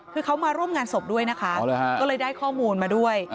คือเขามาร่วมงานศพด้วยนะคะก็เลยได้ข้อมูลมาด้วย